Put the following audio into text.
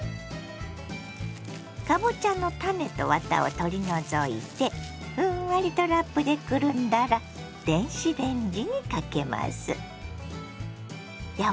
かぼちゃの種とワタを取り除いてふんわりとラップでくるんだら電子レンジにかけます。